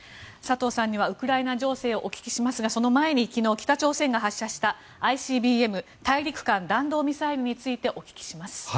佐藤さんにはウクライナ情勢をお聞きしますがその前に昨日、北朝鮮が発射したＩＣＢＭ・大陸間弾道ミサイルについてお聞きします。